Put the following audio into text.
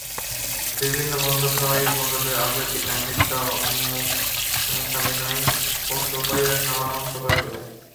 বিভিন্ন বন্ধুসভার বন্ধুদের আবৃত্তি, গান, নৃত্য, মূকাভিনয়, কৌতুক পরিবেশনা প্রাণবন্ত করে তোলে।